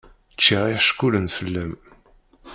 Ččiɣ iḥeckulen fell-am.